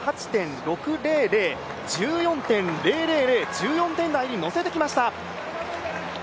１４点台に乗せてきました。